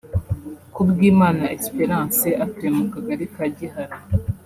Kubwimana Esperance atuye mu Kagari ka Gihara